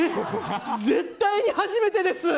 絶対に初めてです！